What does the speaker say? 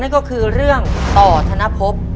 นั่นก็คือเรื่องต่อธนภพ